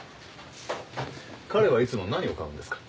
彼はいつも何を買うんですか？